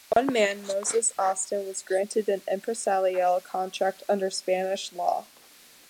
Only one man, Moses Austin, was granted an "empresarial" contract under Spanish law.